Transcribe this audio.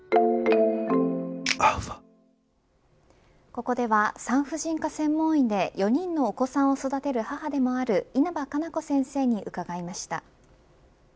ここでは産婦人科専門医で４人のお子さんを育てる母でもある稲葉可奈子先生に伺いました。